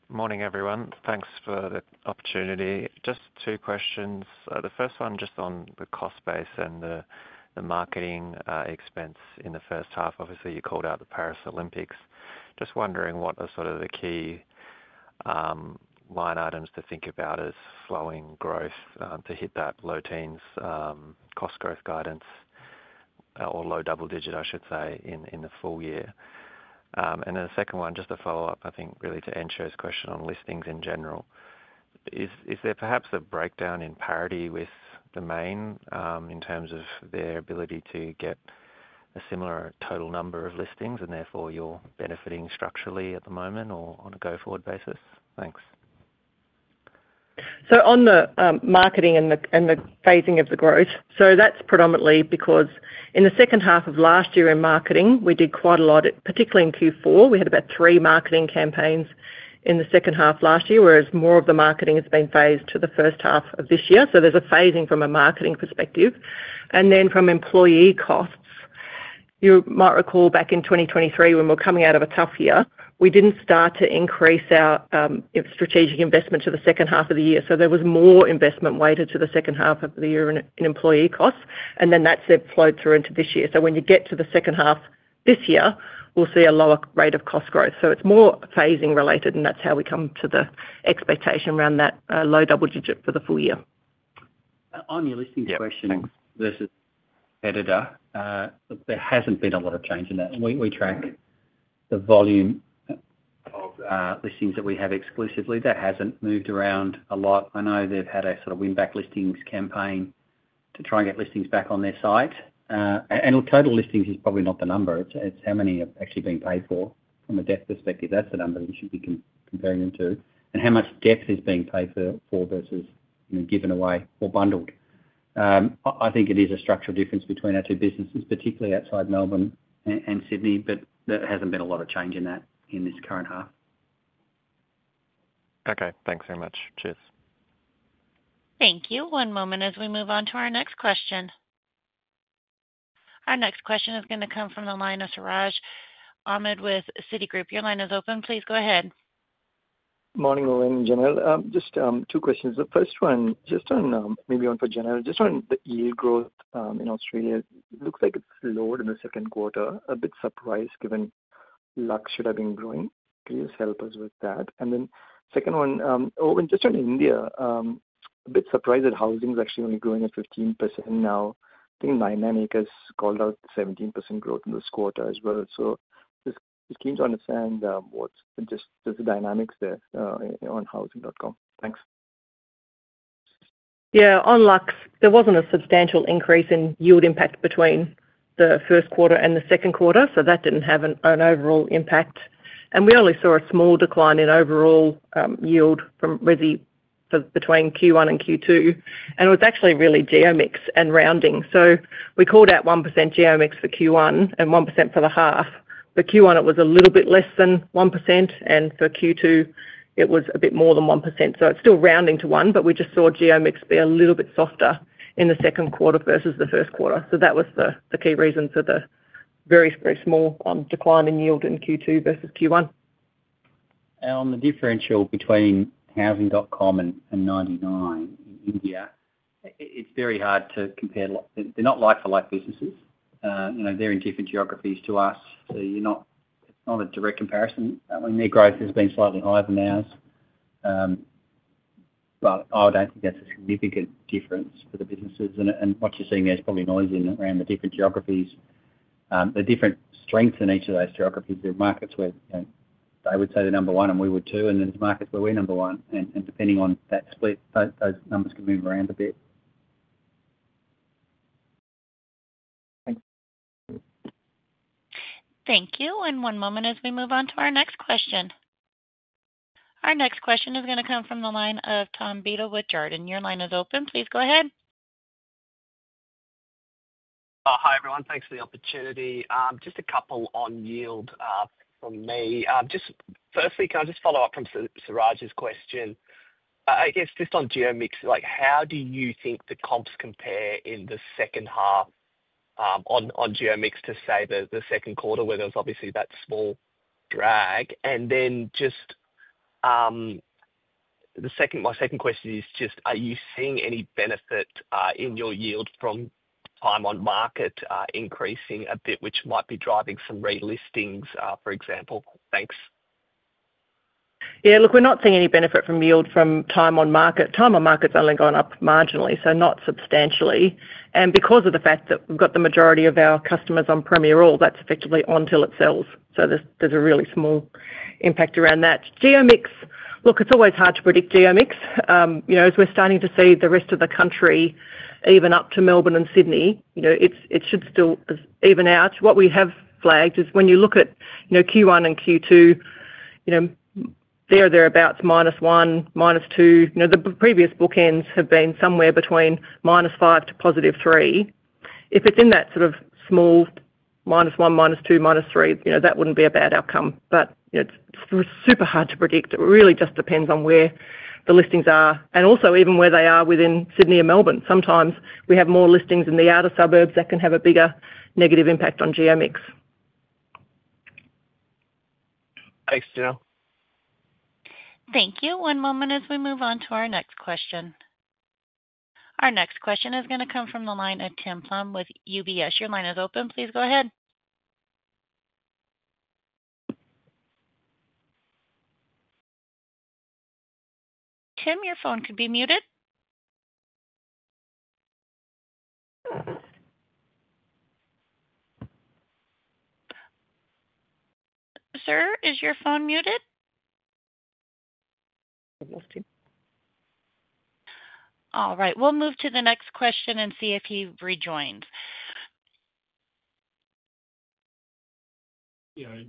Morning, everyone. Thanks for the opportunity. Just two questions. The first one, just on the cost base and the marketing expense in the first half. Obviously, you called out the Paris Olympics. Just wondering what are sort of the key line items to think about as slowing growth to hit that low-teens cost growth guidance, or low double-digit, I should say, in the full year. And then the second one, just to follow up, I think really to Entcho's question on listings in general, is there perhaps a breakdown in parity with Domain in terms of their ability to get a similar total number of listings, and therefore you're benefiting structurally at the moment or on a go-forward basis? Thanks. So on the marketing and the phasing of the growth, so that's predominantly because in the second half of last year in marketing, we did quite a lot, particularly in Q4. We had about three marketing campaigns in the second half last year, whereas more of the marketing has been phased to the first half of this year. So there's a phasing from a marketing perspective. And then from employee costs, you might recall back in 2023, when we're coming out of a tough year, we didn't start to increase our strategic investment to the second half of the year. So there was more investment weighted to the second half of the year in employee costs, and then that's flowed through into this year. So when you get to the second half this year, we'll see a lower rate of cost growth. So it's more phasing related, and that's how we come to the expectation around that low double digit for the full year. On your listings question versus competitor, there hasn't been a lot of change in that. We track the volume of listings that we have exclusively. That hasn't moved around a lot. I know they've had a sort of win-back listings campaign to try and get listings back on their site. And total listings is probably not the number. It's how many have actually been paid for. From a debt perspective, that's the number you should be comparing them to. And how much debt is being paid for versus given away or bundled. I think it is a structural difference between our two businesses, particularly outside Melbourne and Sydney, but there hasn't been a lot of change in that in this current half. Okay. Thanks very much. Cheers. Thank you. One moment as we move on to our next question. Our next question is going to come from the line of Siraj Ahmed with Citi. Your line is open. Please go ahead. Morning, Owen and Janelle. Just two questions. The first one, just on maybe one for Janelle, just on the yield growth in Australia. It looks like it's lowered in the second quarter, a bit surprised given Luxe should have been growing. Please help us with that. And then second one, Owen, just on India, a bit surprised that Housing.com is actually only growing at 15% now. I think 99acres called out 17% growth in this quarter as well. So just keen to understand what's just the dynamics there on Housing.com. Thanks. Yeah. On Luxe, there wasn't a substantial increase in yield impact between the first quarter and the second quarter, so that didn't have an overall impact. And we only saw a small decline in overall yield between Q1 and Q2. And it was actually really geo mix and rounding. We called out 1% geo mix for Q1 and 1% for the half. For Q1, it was a little bit less than 1%, and for Q2, it was a bit more than 1%. It's still rounding to 1%, but we just saw geo mix be a little bit softer in the second quarter versus the first quarter. That was the key reason for the very, very small decline in yield in Q2 versus Q1. On the differential between Housing.com and 99acres in India, it's very hard to compare. They're not like-for-like businesses. They're in different geographies to us, so it's not a direct comparison. I mean, their growth has been slightly higher than ours, but I don't think that's a significant difference for the businesses. What you're seeing there is probably noise around the different geographies. The different strengths in each of those geographies, there are markets where they would say they're number one and we would two, and then there's markets where we're number one. And depending on that split, those numbers can move around a bit. Thank you. And one moment as we move on to our next question. Our next question is going to come from the line of Tom Beadle with Jarden. Your line is open. Please go ahead. Hi, everyone. Thanks for the opportunity. Just a couple on yield from me. Just firstly, can I just follow up from Siraj's question? I guess just on geo mix, how do you think the comps compare in the second half on geo mix to say the second quarter, where there's obviously that small drag? Then just my second question is just, are you seeing any benefit in your yield from time on market increasing a bit, which might be driving some relistings, for example? Thanks. Yeah. Look, we're not seeing any benefit from yield from time on market. Time on market's only gone up marginally, so not substantially. And because of the fact that we've got the majority of our customers on Premiere All, that's effectively on till it sells. So there's a really small impact around that geo mix, look, it's always hard to predict geo mix. As we're starting to see the rest of the country, even up to Melbourne and Sydney, it should still even out. What we have flagged is when you look at Q1 and Q2, they're thereabouts -1%, -2%. The previous bookends have been somewhere between -5% to +3%. If it's in that sort of small minus one, minus two, minus three, that wouldn't be a bad outcome. But it's super hard to predict. It really just depends on where the listings are, and also even where they are within Sydney and Melbourne. Sometimes we have more listings in the outer suburbs that can have a bigger negative impact on geo mix. Thanks, Janelle. Thank you. One moment as we move on to our next question. Our next question is going to come from the line of Tim Plumbe with UBS. Your line is open. Please go ahead. Tim, your phone could be muted. Sir, is your phone muted? All right. We'll move to the next question and see if he rejoins, and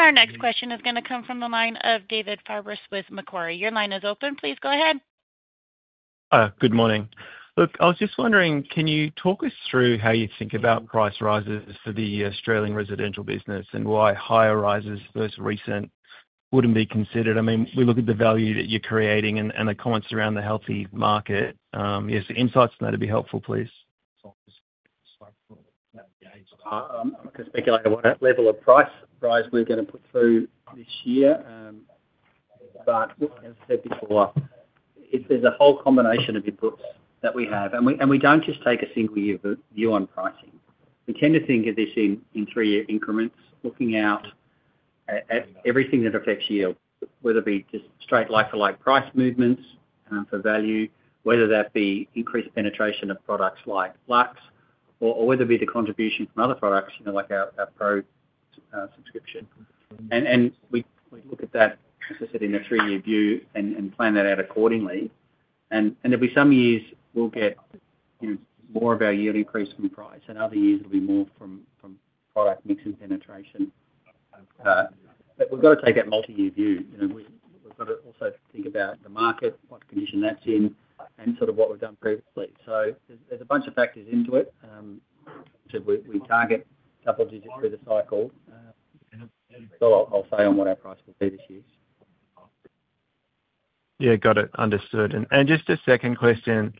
our next question is going to come from the line of David Fabris with Macquarie. Your line is open. Please go ahead. Good morning. Look, I was just wondering, can you talk us through how you think about price rises for the Australian residential business and why higher rises versus recent wouldn't be considered? I mean, we look at the value that you're creating and the comments around the healthy market. Yes, insights on that would be helpful, please. I'm going to speculate on what level of price we're going to put through this year. But as I said before, there's a whole combination of inputs that we have. And we don't just take a single year view on pricing. We tend to think of this in three-year increments, looking out at everything that affects yield, whether it be just straight like-for-like price movements for value, whether that be increased penetration of products like Luxe, or whether it be the contribution from other products like our Pro subscription. We look at that, as I said, in a three-year view and plan that out accordingly. There'll be some years we'll get more of our yield increase from price, and other years it'll be more from product mix and penetration. We've got to take that multi-year view. We've got to also think about the market, what condition that's in, and sort of what we've done previously. There's a bunch of factors into it. We target double digits through the cycle. I'll say on what our price will be this year. Yeah. Got it. Understood. Just a second question.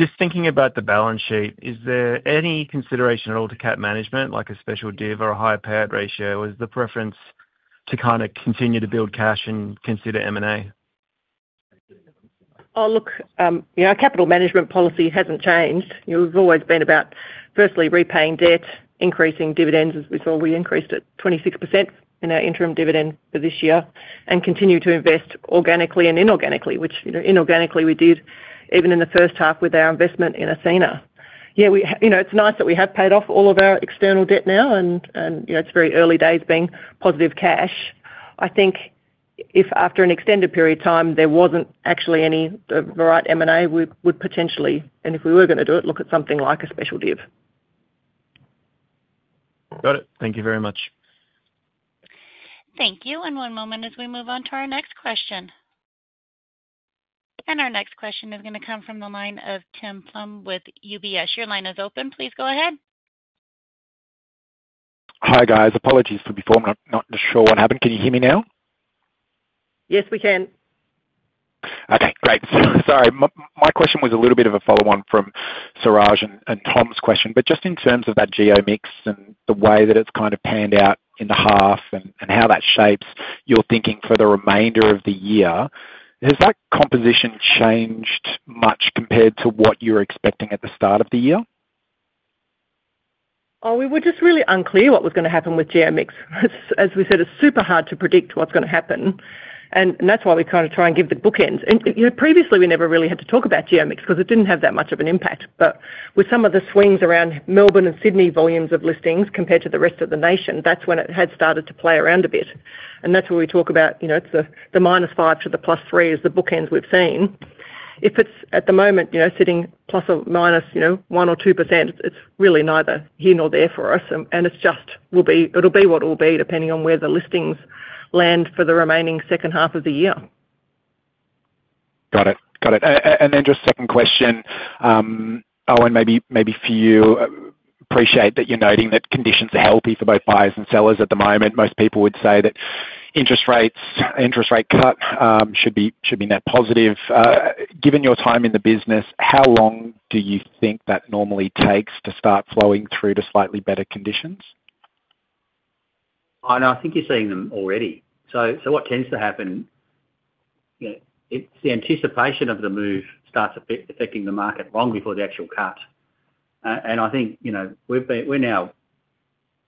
Just thinking about the balance sheet, is there any consideration at all to capital management, like a special dividend or a higher payout ratio, or is the preference to kind of continue to build cash and consider M&A? Look, our capital management policy hasn't changed. We've always been about, firstly, repaying debt, increasing dividends. As we saw, we increased it 26% in our interim dividend for this year and continue to invest organically and inorganically, which inorganically we did even in the first half with our investment in Athena. Yeah, it's nice that we have paid off all of our external debt now, and it's very early days being positive cash. I think if after an extended period of time there wasn't actually any right M&A, we would potentially, and if we were going to do it, look at something like a special div. Got it. Thank you very much. Thank you. And one moment as we move on to our next question. Our next question is going to come from the line of Tim Plumbe with UBS. Your line is open. Please go ahead. Hi guys. Apologies for before. I'm not sure what happened. Can you hear me now? Yes, we can. Okay. Great. Sorry. My question was a little bit of a follow-on from Siraj and Tom's question, but just in terms of that geo mix and the way that it's kind of panned out in the half and how that shapes your thinking for the remainder of the year, has that composition changed much compared to what you were expecting at the start of the year? We were just really unclear what was going to happen with geo mix. As we said, it's super hard to predict what's going to happen, and that's why we kind of try and give the bookends. Previously, we never really had to talk about geo mix because it didn't have that much of an impact. But with some of the swings around Melbourne and Sydney volumes of listings compared to the rest of the nation, that's when it had started to play around a bit. And that's where we talk about the -5% to the +3% is the bookends we've seen. If it's at the moment sitting plus or minus 1% or 2%, it's really neither here nor there for us, and it'll be what it'll be depending on where the listings land for the remaining second half of the year. Got it. Got it. And then just second question, Owen, maybe for you, appreciate that you're noting that conditions are healthy for both buyers and sellers at the moment. Most people would say that interest rates cut should be net positive. Given your time in the business, how long do you think that normally takes to start flowing through to slightly better conditions? I think you're seeing them already. So what tends to happen, it's the anticipation of the move starts affecting the market long before the actual cut. And I think we're now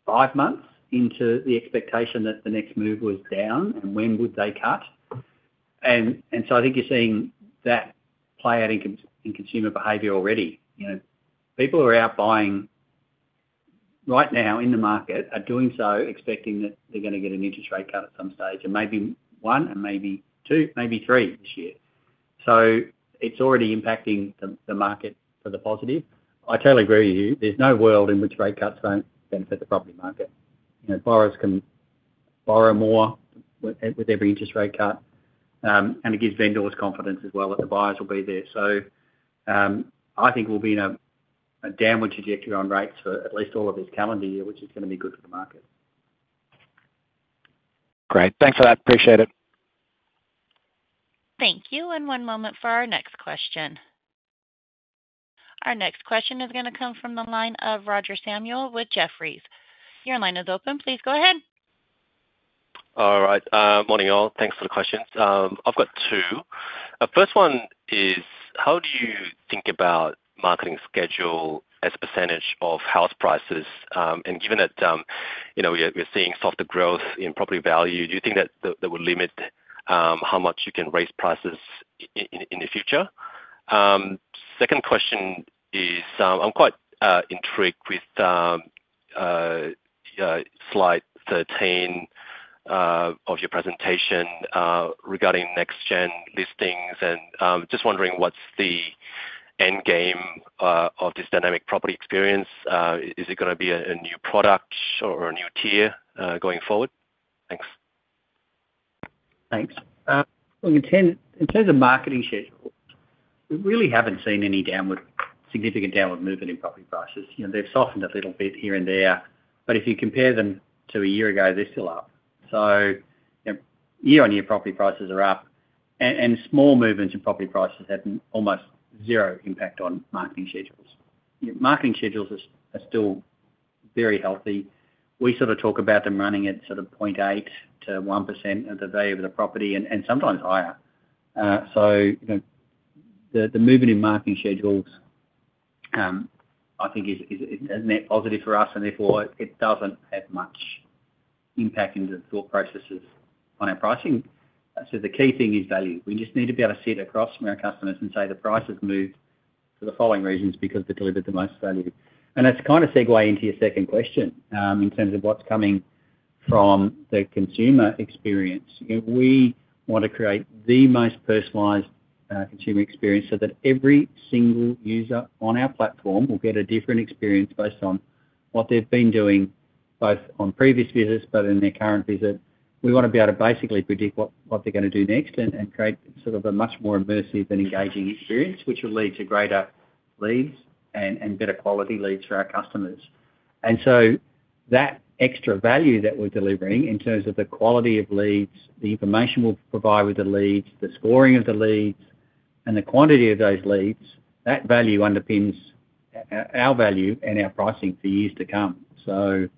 five months into the expectation that the next move was down, and when would they cut? And so I think you're seeing that play out in consumer behavior already. People who are out buying right now in the market are doing so, expecting that they're going to get an interest rate cut at some stage, and maybe one, and maybe two, maybe three this year. So it's already impacting the market for the positive. I totally agree with you. There's no world in which rate cuts won't benefit the property market. Borrowers can borrow more with every interest rate cut, and it gives vendors confidence as well that the buyers will be there. So I think we'll be in a downward trajectory on rates for at least all of this calendar year, which is going to be good for the market. Great. Thanks for that. Appreciate it. Thank you. And one moment for our next question. Our next question is going to come from the line of Roger Samuel with Jefferies. Your line is open. Please go ahead. All right. Morning, Owen. Thanks for the questions. I've got two. First one is, how do you think about marketing schedule as a percentage of house prices? And given that we're seeing softer growth in property value, do you think that that would limit how much you can raise prices in the future? Second question is, I'm quite intrigued with slide 13 of your presentation regarding next-gen listings, and just wondering what's the end game of this dynamic property experience? Is it going to be a new product or a new tier going forward? Thanks. Thanks. In terms of marketing schedule, we really haven't seen any significant downward movement in property prices. They've softened a little bit here and there, but if you compare them to a year ago, they're still up. So year-on-year property prices are up, and small movements in property prices have almost zero impact on marketing schedules. Marketing schedules are still very healthy. We sort of talk about them running at sort of 0.8%-1% of the value of the property and sometimes higher. So the movement in marketing schedules, I think, is net positive for us, and therefore it doesn't have much impact into the thought processes on our pricing. So the key thing is value. We just need to be able to see it across from our customers and say the price has moved for the following reasons because they delivered the most value. And that's kind of segue into your second question in terms of what's coming from the consumer experience. We want to create the most personalized consumer experience so that every single user on our platform will get a different experience based on what they've been doing both on previous visits but in their current visit. We want to be able to basically predict what they're going to do next and create sort of a much more immersive and engaging experience, which will lead to greater leads and better quality leads for our customers. And so that extra value that we're delivering in terms of the quality of leads, the information we'll provide with the leads, the scoring of the leads, and the quantity of those leads, that value underpins our value and our pricing for years to come. So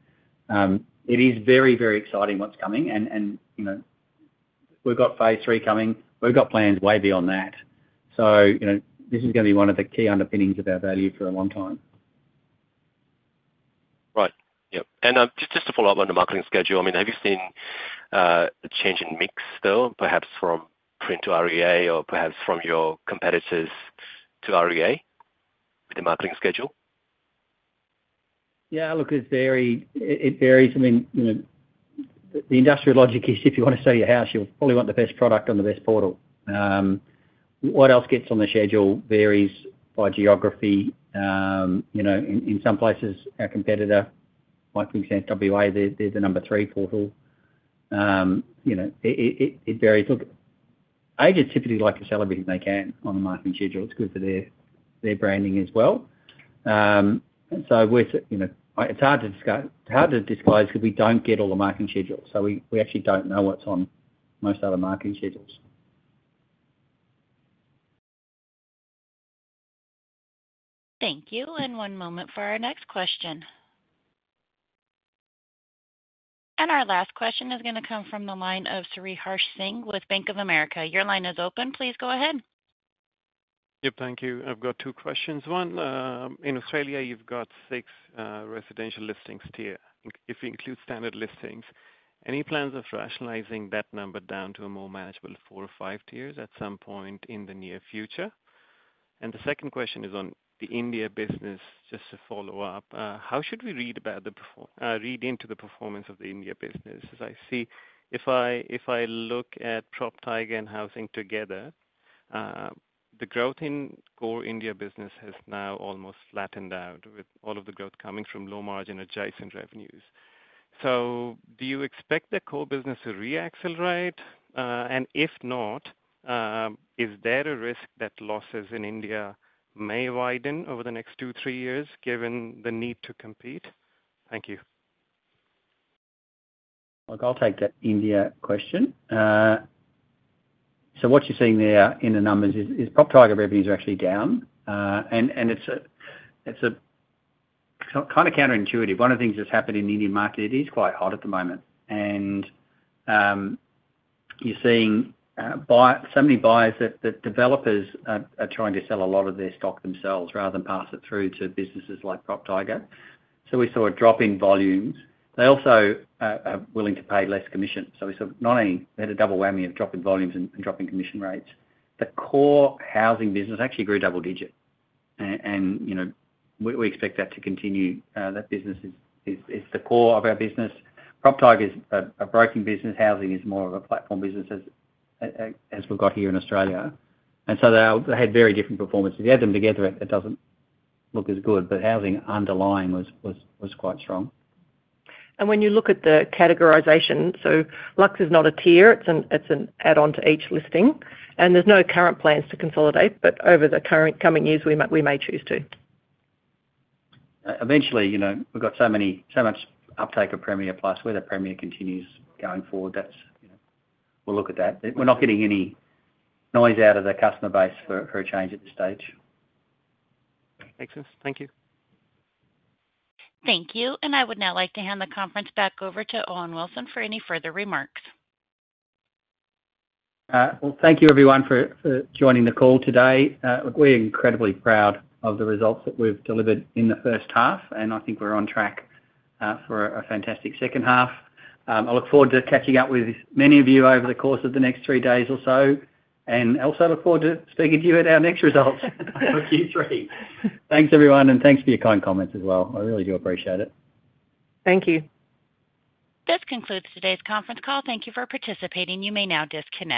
it is very, very exciting what's coming, and we've got phase three coming. We've got plans way beyond that. So this is going to be one of the key underpinnings of our value for a long time. Right. Yep. And just to follow up on the marketing schedule, I mean, have you seen a change in mix though, perhaps from print to REA or perhaps from your competitors to REA with the marketing schedule? Yeah. Look, it varies. I mean, the industry logic is if you want to sell your house, you'll probably want the best product on the best portal. What else gets on the schedule varies by geography. In some places, our competitor, like for instance, WA, they're the number three portal. It varies. Look, agents typically like to sell everything they can on the marketing schedule. It's good for their branding as well. And so it's hard to disclose because we don't get all the marketing schedules. So we actually don't know what's on most other marketing schedules. Thank you. And one moment for our next question. And our last question is going to come from the line of Sriharsh Singh with Bank of America. Your line is open. Please go ahead. Yep. Thank you. I've got two questions. One, in Australia, you've got six residential listings tier. If you include standard listings, any plans of rationalizing that number down to a more manageable four or five tiers at some point in the near future? And the second question is on the India business, just to follow up. How should we read into the performance of the India business? As I see, if I look at PropTiger and Housing together, the growth in core India business has now almost flattened out with all of the growth coming from low-margin adjacent revenues. So do you expect the core business to reaccelerate? And if not, is there a risk that losses in India may widen over the next two, three years given the need to compete? Thank you. Look, I'll take that India question. So what you're seeing there in the numbers is PropTiger revenues are actually down, and it's kind of counterintuitive. One of the things that's happened in the Indian market, it is quite hot at the moment. And you're seeing so many buyers that developers are trying to sell a lot of their stock themselves rather than pass it through to businesses like PropTiger. So we saw a drop in volumes. They also are willing to pay less commission. So we saw not only they had a double whammy of drop in volumes and drop in commission rates. The core Housing business actually grew double digit, and we expect that to continue. That business is the core of our business. PropTiger is a broking business. Housing is more of a platform business as we've got here in Australia, and so they had very different performances. You add them together, it doesn't look as good, but Housing underlying was quite strong, and when you look at the categorisation, so Luxe is not a tier. It's an add-on to each listing, and there's no current plans to consolidate, but over the coming years, we may choose to. Eventually, we've got so much uptake of Premiere Plus. Whether Premiere continues going forward, we'll look at that. We're not getting any noise out of the customer base for a change at this stage. Makes sense. Thank you. Thank you, and I would now like to hand the conference back over to Owen Wilson for any further remarks, well, thank you, everyone, for joining the call today. We're incredibly proud of the results that we've delivered in the first half, and I think we're on track for a fantastic second half. I look forward to catching up with many of you over the course of the next three days or so, and also look forward to speaking to you at our next results. I hope you too. Thanks, everyone, and thanks for your kind comments as well. I really do appreciate it. Thank you. This concludes today's conference call. Thank you for participating. You may now disconnect.